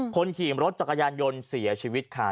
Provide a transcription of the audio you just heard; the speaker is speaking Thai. คนขี่รถจักรยานยนต์เสียชีวิตค่ะ